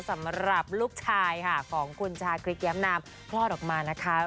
สำหรับลูกชายค่ะของคุณชาคิดย้ำน้ำพล่อดออกมานะคะ